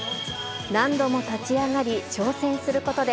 何度も立ち上がり、挑戦することで、